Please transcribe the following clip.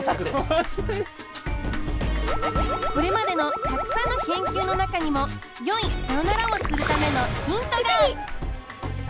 これまでのたくさんの研究の中にも良いさよならをするためのヒントが！